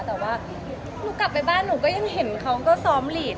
แต่ว่าหนูกลับไปบ้านหนูก็ยังเห็นเขาก็ซ้อมหลีด